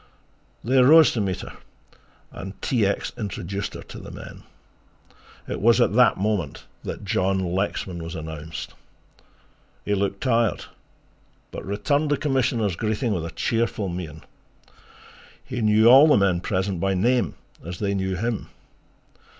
They rose to meet her and T. X. introduced her to the men. It was at that moment that John Lexman was announced. He looked tired, but returned the Commissioner's greeting with a cheerful mien. He knew all the men present by name, as they knew him.